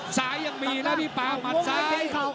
สายยังมีแล้วมีฟ้ามัดสาย